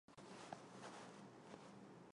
真心觉得这种行为很愚蠢